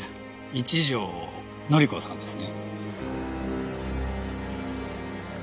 一条典子さんですね？